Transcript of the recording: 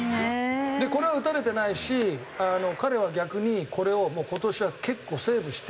これは打たれてないし彼は逆にこれを今年は結構セーブして。